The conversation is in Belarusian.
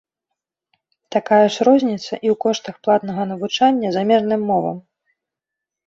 Такая ж розніца і ў коштах платнага навучання замежным мовам.